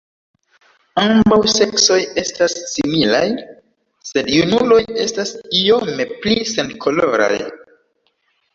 Ambaŭ seksoj estas similaj, sed junuloj estas iome pli senkoloraj.